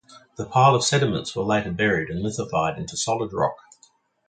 The pile of sediments were later buried and lithified into solid rock.